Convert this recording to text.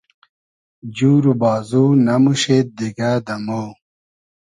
جور و بازو نئموشید دیگۂ دۂ مۉ